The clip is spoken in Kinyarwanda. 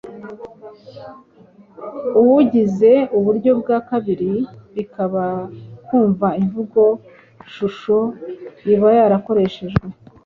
awugize, uburyo bwa kabiri bikaba kumva imvugo shusho iba yakoreshejwe.